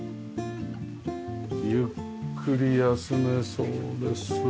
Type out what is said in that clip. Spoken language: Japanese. ゆっくり休めそうです。